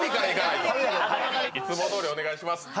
いつもどおりお願いします。